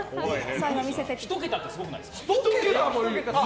１桁ってすごくないですか？